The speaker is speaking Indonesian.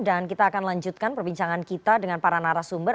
dan kita akan lanjutkan perbincangan kita dengan para narasumber